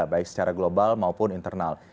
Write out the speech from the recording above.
baik secara global maupun internal